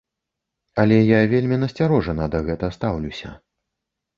Але я вельмі насцярожана да гэта стаўлюся.